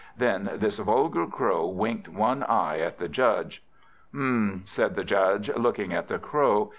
Then this vulgar Crow winked one eye at the Judge. "Hm, hm," said the Judge, looking at the Crow.